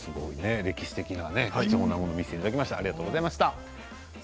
歴史的な貴重なものを見せてもらいました。